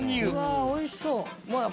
うわおいしそう。